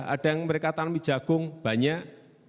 ada yang mereka tanami jagung banyak